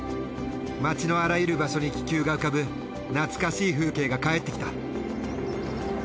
街のあらゆる場所に気球が浮かぶ懐かしい風景が帰ってきた。